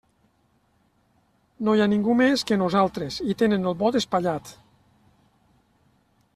No hi ha ningú més que nosaltres i tenen el bot espatllat.